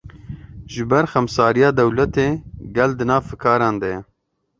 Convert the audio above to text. Ji ber xemsariya dewletê, gel di nav fikaran de ye